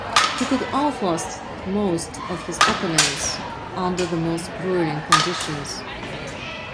He could outlast most of his opponents under the most grueling conditions.